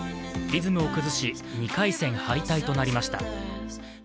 リズムを崩し、２回戦敗退となりました。